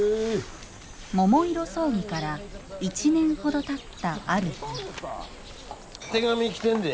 桃色争議から１年ほどたったある日手紙来てんで。